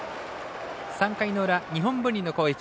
３回の裏、日本文理の攻撃。